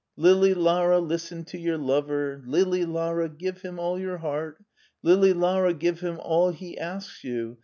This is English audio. "Lili Lara,, listen to your lo o ver. Lili Lara, give him all your heart. Lili Lara, give him all he asks you.